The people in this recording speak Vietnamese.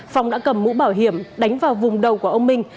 phong đã cầm mũ bảo hiểm đánh vào vùng đầu của ông minh